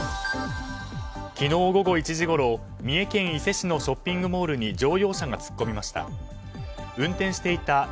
昨日午後１時ごろ三重県伊勢市のショッピングモールに乗用車が突っ込みました。